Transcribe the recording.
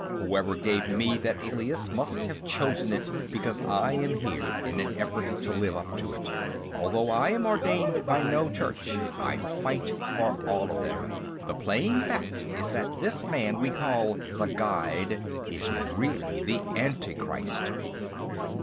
"Whoever gave me that alias must have chosen it because I am here in an effort to live up to it. Although I am ordained by no church, I fight for all of them. The plain fact is that this man we call The Guide is really the Antichrist!"